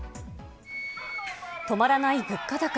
止まらない物価高。